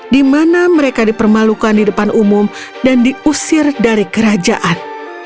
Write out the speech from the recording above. di mana mereka dipermalukan di depan umum dan diusir dari kerajaan